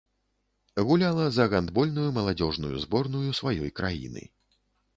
Гуляла за гандбольную маладзёжную зборную сваёй краіны.